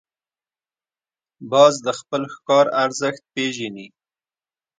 باز د خپل ښکار ارزښت پېژني